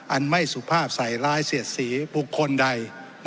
อันไม่สุภาพใส่ร้ายเสียดสีบุคคลใด